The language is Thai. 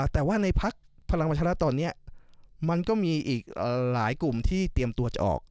แต่ว่าในพักพลังประชารัฐตอนนี้มันก็มีอีกหลายกลุ่มที่เตรียมตัวจะออก